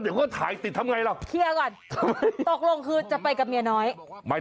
อยู่ในที่ที่ปลาดไทย